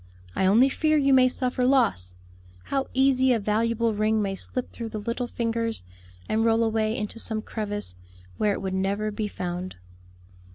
I only fear you may suffer loss. How easy a valuable ring may slip through the little fingers and roll away into some crevice where it would never be found."